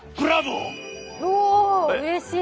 おうれしい。